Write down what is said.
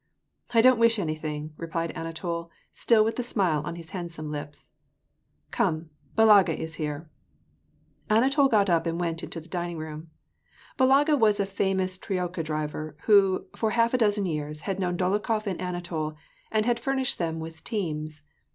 "I don't wish anything," replied Anatol, still with the smile on his handsome lips. " Come, Balaga is here !" Anatol got up and went into the dining room. Balaga was a famous troika driver, who, for half a dozen years, had known Dolokhof and Anatol, and had furnished them with teams.